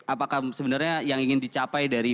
apakah sebenarnya yang ingin dicapai dari